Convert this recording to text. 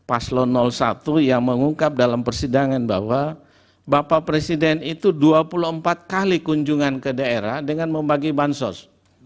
paslo satu yang mengungkap dalam persidangan bahwa bapak presiden itu dua puluh empat kali kunjungan ke daerah dengan membagi bansos